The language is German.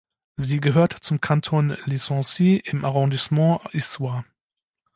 Sie gehört zum Kanton Le Sancy im Arrondissement Issoire.